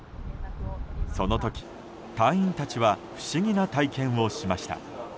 その時、隊員たちは不思議な体験をしました。